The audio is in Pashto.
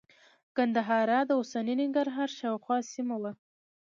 ګندهارا د اوسني ننګرهار شاوخوا سیمه وه